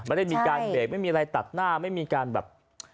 ไม่ได้มีการเบรกไม่มีอะไรตัดหน้าไม่มีการแบบ